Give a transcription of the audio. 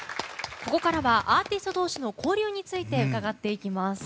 ここからはアーティスト同士の交流について伺っていきます。